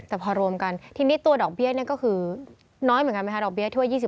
แต่พอรวมกันทีนี้ตัวดอกเบี้ยก็คือน้อยเหมือนกันไหมคะดอกเบี้ยถ้วย๒๐